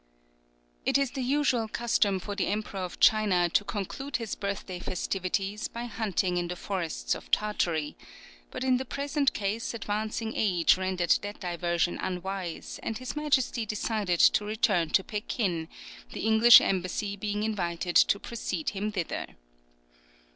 It is the usual custom for the Emperor of China to conclude his birthday festivities by hunting in the forests of Tartary; but in the present case advancing age rendered that diversion unwise, and his Majesty decided to return to Pekin, the English embassy being invited to precede him thither.